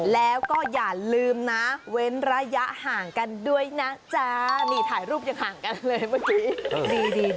แล้วก็อย่าลืมนะเว้นระยะห่างกันด้วยนะจ๊ะนี่ถ่ายรูปยังห่างกันเลยเมื่อกี้ดี